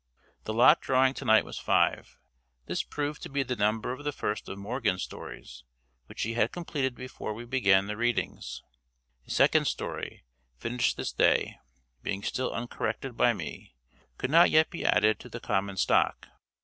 The lot drawing to night was Five. This proved to be the number of the first of Morgan's stories, which he had completed before we began the readings. His second story, finished this day, being still uncorrected by me, could not yet be added to the common stock.